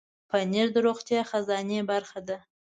پنېر د روغتیا خزانې برخه ده.